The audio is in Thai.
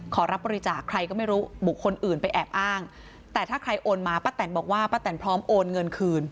ขอรับบริจาคใครก็ไม่รู้บุคคลอื่นไปแอบอ้างแต่ถ้าใครโอนมาป้าแตนบอกว่าป้าแตนพร้อมโอนเงินคืน